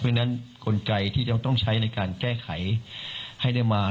เพราะฉะนั้นกลไกที่จะต้องใช้ในการแก้ไขให้ได้มา